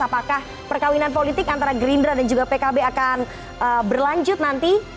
apakah perkawinan politik antara gerindra dan juga pkb akan berlanjut nanti